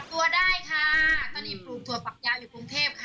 ตอนนี้ปลูกถั่วฝักยาวอยู่กรุงเทพฯค่ะ